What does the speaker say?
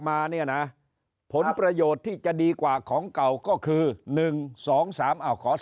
มาเนี่ยนะผลประโยชน์ที่จะดีกว่าของเก่าก็คือ๑๒๓ขอ